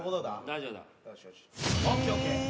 大丈夫だ。